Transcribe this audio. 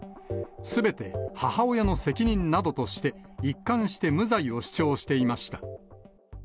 すべて母親の責任などとして、一貫して無罪を主張していました。